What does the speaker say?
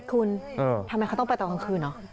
คุณทำไมเขาต้องไปตอนกลางคืนเหรอ